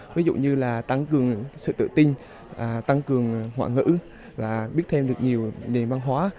ví dụ như là tăng cường sự tự tin tăng cường ngoại ngữ và biết thêm được nhiều nền văn hóa